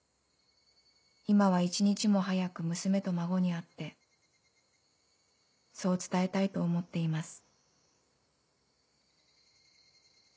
今は一日も早く娘と孫に会ってそう伝えたいと思っています」。